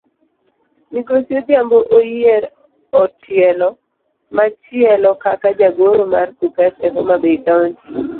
Migosi odhiambo oyier etielo machielo kaka jagoro mar kuppet e homabay county.